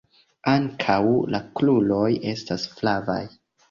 Ankaŭ la kruroj estas flavaj.